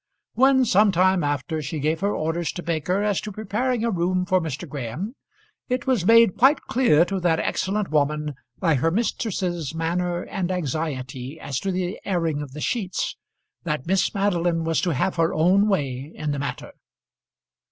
When some time after she gave her orders to Baker as to preparing a room for Mr. Graham, it was made quite clear to that excellent woman by her mistress's manner and anxiety as to the airing of the sheets, that Miss Madeline was to have her own way in the matter.